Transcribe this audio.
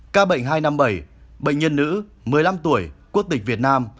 ca bệnh hai trăm năm mươi bảy bệnh nhân nữ một mươi năm tuổi quốc tịch việt nam